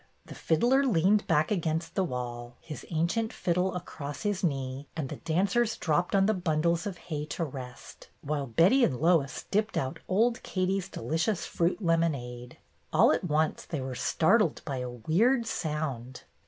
The fiddler leaned back against the wall, his ancient fiddle across his knee, and the dancers dropped on the bundles of hay to rest, while Betty and Lois dipped out old Katie's delicious fruit lemonade. All at once they were startled by a weird sound.